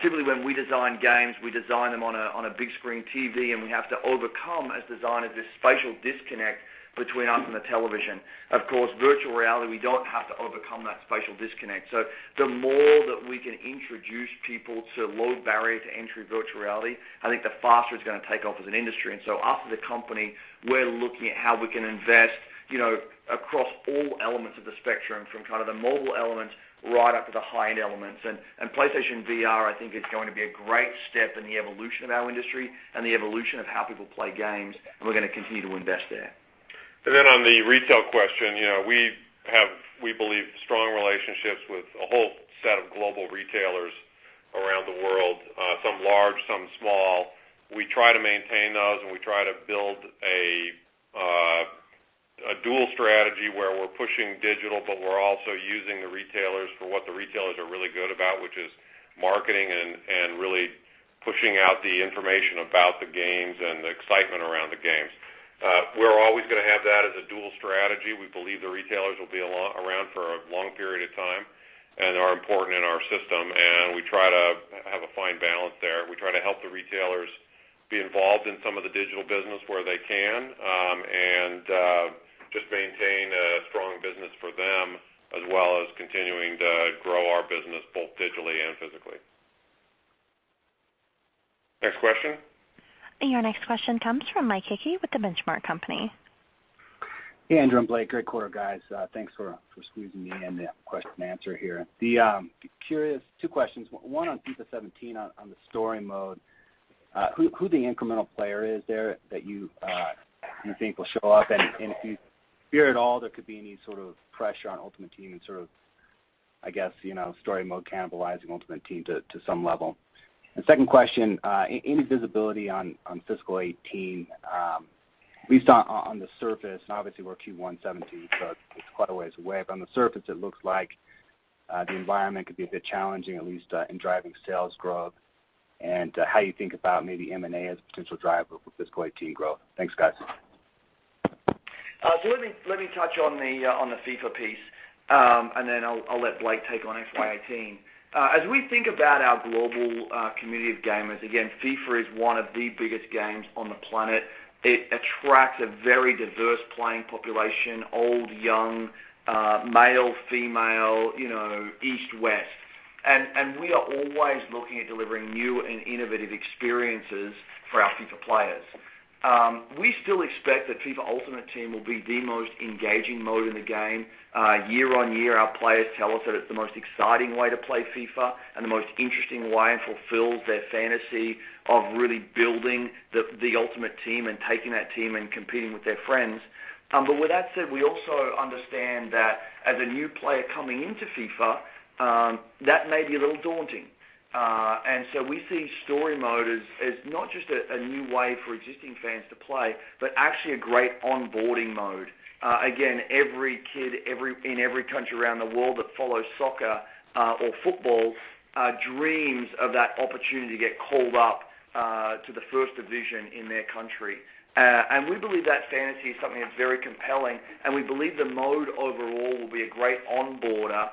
Typically, when we design games, we design them on a big screen TV, and we have to overcome, as designers, this spatial disconnect between us and the television. Of course, virtual reality, we don't have to overcome that spatial disconnect. The more that we can introduce people to low barrier to entry virtual reality, I think the faster it's going to take off as an industry. Us as a company, we're looking at how we can invest across all elements of the spectrum, from kind of the mobile elements right up to the high-end elements. PlayStation VR, I think, is going to be a great step in the evolution of our industry and the evolution of how people play games, and we're going to continue to invest there. On the retail question, we have, we believe, strong relationships with a whole set of global retailers around the world, some large, some small. We try to maintain those, and we try to build a dual strategy where we're pushing digital, but we're also using the retailers for what the retailers are really good about, which is marketing and really pushing out the information about the games and the excitement around the games. We're always going to have that as a dual strategy. We believe the retailers will be around for a long period of time and are important in our system, and we try to have a fine balance there. We try to help the retailers be involved in some of the digital business where they can and just maintain a strong business for them, as well as continuing to grow our business both digitally and physically. Next question. Your next question comes from Mike Hickey with the Benchmark Company. Hey, Andrew and Blake. Great quarter, guys. Thanks for squeezing me in the question and answer here. Curious, two questions. One on FIFA 17 on the story mode, who the incremental player is there that you think will show up, and if you fear at all there could be any sort of pressure on Ultimate Team and sort of, I guess, story mode cannibalizing Ultimate Team to some level. Second question, any visibility on fiscal 2018, at least on the surface, and obviously we're Q1 2017, so it's quite a ways away, but on the surface it looks like the environment could be a bit challenging, at least in driving sales growth, and how you think about maybe M&A as a potential driver for fiscal 2018 growth. Thanks, guys. Let me touch on the FIFA piece, and then I'll let Blake take on FY 2018. As we think about our global community of gamers, again, FIFA is one of the biggest games on the planet. It attracts a very diverse playing population, old, young, male, female, East, West. We are always looking at delivering new and innovative experiences for our FIFA players. We still expect that FIFA Ultimate Team will be the most engaging mode in the game. Year on year, our players tell us that it's the most exciting way to play FIFA and the most interesting way and fulfills their fantasy of really building the ultimate team and taking that team and competing with their friends. With that said, we also understand that as a new player coming into FIFA, that may be a little daunting. We see story mode as not just a new way for existing fans to play, but actually a great onboarding mode. Again, every kid in every country around the world that follows soccer or football dreams of that opportunity to get called up to the first division in their country. We believe that fantasy is something that's very compelling, and we believe the mode overall will be a great onboarder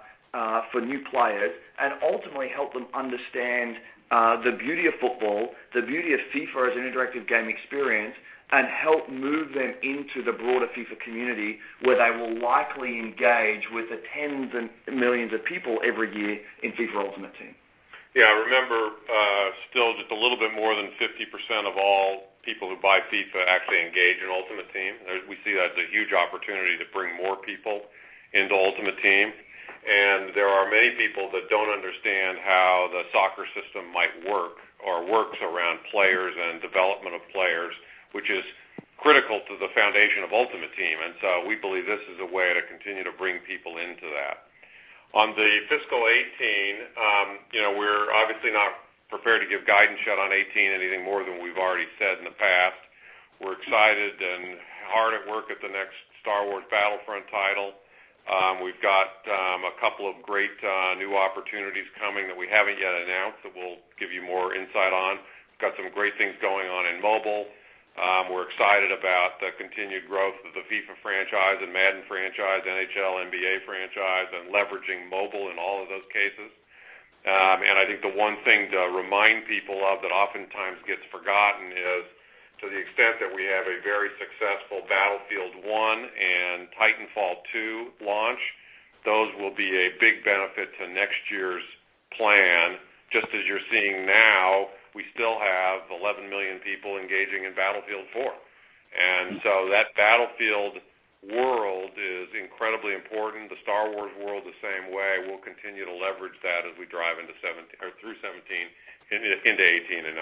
for new players and ultimately help them understand the beauty of football, the beauty of FIFA as an interactive game experience, and help move them into the broader FIFA community, where they will likely engage with the tens of millions of people every year in FIFA Ultimate Team. Yeah, remember, still just a little bit more than 50% of all people who buy FIFA actually engage in Ultimate Team. We see that as a huge opportunity to bring more people into Ultimate Team. There are many people that don't understand how the soccer system might work or works around players and development of players, which is critical to the foundation of Ultimate Team. We believe this is a way to continue to bring people into that. On the fiscal 2018, we're obviously not prepared to give guidance yet on 2018 anything more than we've already said in the past. We're excited and hard at work at the next Star Wars Battlefront title. We've got a couple of great new opportunities coming that we haven't yet announced that we'll give you more insight on. Got some great things going on in mobile. We're excited about the continued growth of the FIFA franchise and Madden franchise, NHL, NBA franchise, and leveraging mobile in all of those cases. I think the one thing to remind people of that oftentimes gets forgotten is to the extent that we have a very successful Battlefield 1 and Titanfall 2 launch, those will be a big benefit to next year's plan. Just as you're seeing now, we still have 11 million people engaging in Battlefield 4. That Battlefield world is incredibly important. The Star Wars world, the same way. We'll continue to leverage that as we drive through 2017 into 2018 and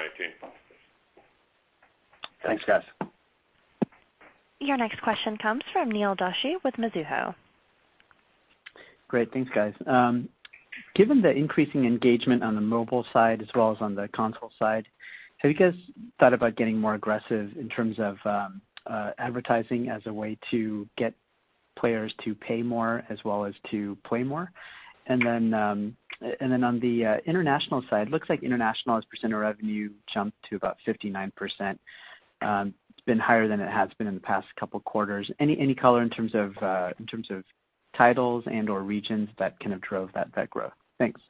2019. Thanks, guys. Your next question comes from Neil Doshi with Mizuho. Great. Thanks, guys. Given the increasing engagement on the mobile side as well as on the console side, have you guys thought about getting more aggressive in terms of advertising as a way to get players to pay more as well as to play more? On the international side, looks like international as percent of revenue jumped to about 59%. It's been higher than it has been in the past couple of quarters. Any color in terms of titles and/or regions that kind of drove that growth? Thanks.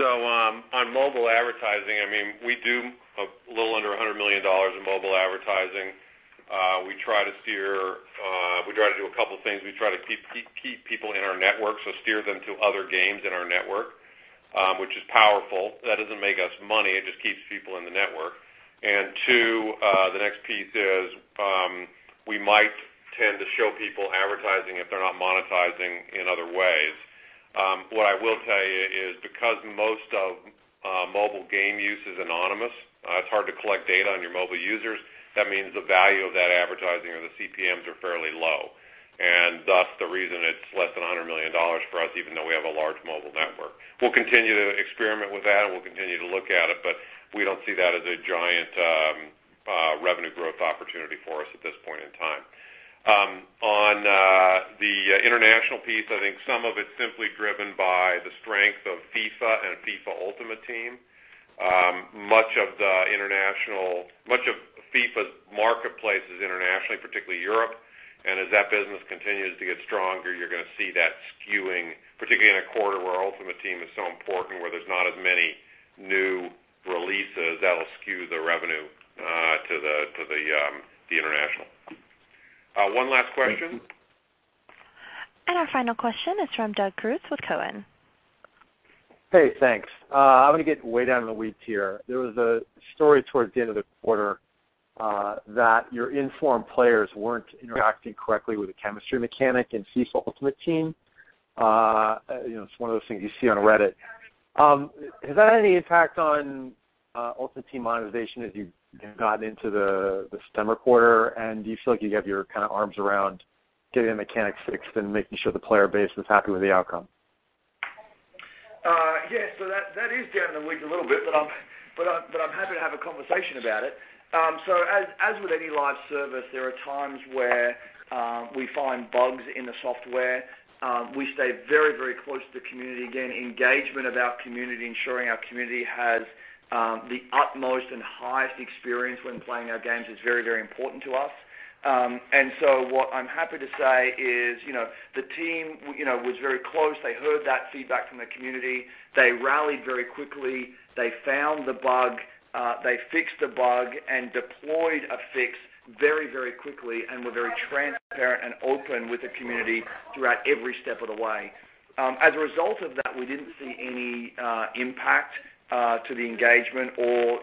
On mobile advertising, we do a little under $100 million in mobile advertising. We try to do a couple things. We try to keep people in our network, steer them to other games in our network, which is powerful. That doesn't make us money. It just keeps people in the network. Two, the next piece is we might tend to show people advertising if they're not monetizing in other ways. What I will tell you is because most of mobile game use is anonymous, it's hard to collect data on your mobile users. That means the value of that advertising or the CPMs are fairly low, and thus the reason it's less than $100 million for us, even though we have a large mobile network. We'll continue to experiment with that, and we'll continue to look at it. We don't see that as a giant revenue growth opportunity for us at this point in time. On the international piece, I think some of it's simply driven by the strength of FIFA and FIFA Ultimate Team. Much of FIFA's marketplace is internationally, particularly Europe. As that business continues to get stronger, you're going to see that skewing, particularly in a quarter where Ultimate Team is so important, where there's not as many new releases that'll skew the revenue to the international. One last question. Our final question is from Doug Creutz with Cowen. Hey, thanks. I want to get way down in the weeds here. There was a story towards the end of the quarter that your in-form players weren't interacting correctly with the chemistry mechanic in FIFA Ultimate Team. It's one of those things you see on Reddit. Has that had any impact on Ultimate Team monetization as you've gotten into the start of the quarter? Do you feel like you have your kind of arms around getting the mechanic fixed and making sure the player base is happy with the outcome? Yeah. That is down in the weeds a little bit, but I'm happy to have a conversation about it. As with any live service, there are times where we find bugs in the software. We stay very, very close to the community. Again, engagement of our community, ensuring our community has the utmost and highest experience when playing our games is very, very important to us. What I'm happy to say is the team was very close. They heard that feedback from the community. They rallied very quickly. They found the bug, they fixed the bug, and deployed a fix very, very quickly, and were very transparent and open with the community throughout every step of the way. As a result of that, we didn't see any impact to the engagement or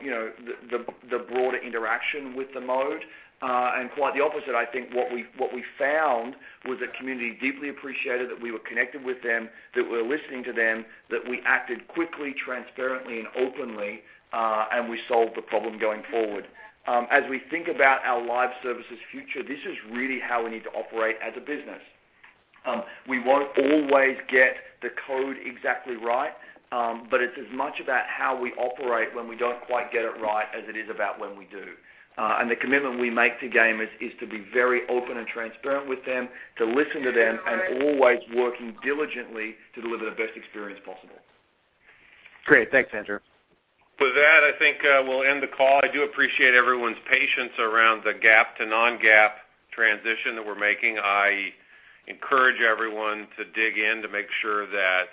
the broader interaction with the mode. Quite the opposite. I think what we found was the community deeply appreciated that we were connected with them, that we were listening to them, that we acted quickly, transparently, and openly, and we solved the problem going forward. As we think about our live services future, this is really how we need to operate as a business. We won't always get the code exactly right, but it's as much about how we operate when we don't quite get it right as it is about when we do. The commitment we make to gamers is to be very open and transparent with them, to listen to them, and always working diligently to deliver the best experience possible. Great. Thanks, Andrew. With that, I think we'll end the call. I do appreciate everyone's patience around the GAAP to non-GAAP transition that we're making. I encourage everyone to dig in to make sure that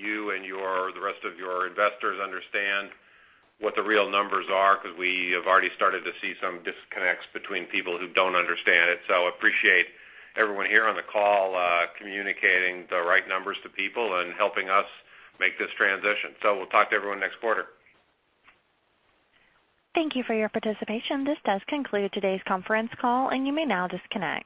you and the rest of your investors understand what the real numbers are because we have already started to see some disconnects between people who don't understand it. Appreciate everyone here on the call communicating the right numbers to people and helping us make this transition. We'll talk to everyone next quarter. Thank you for your participation. This does conclude today's conference call, and you may now disconnect.